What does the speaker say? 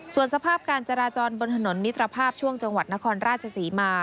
ส่วนสภาพการจราจรบนถนนมิตรภาพช่วงจังหวัดนครราชศรีมา